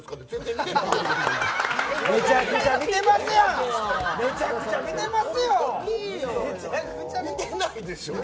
見てないでしょ？